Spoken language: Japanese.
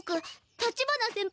立花先輩！